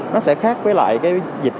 nó sẽ khác với lại cái dịch vụ giao hàng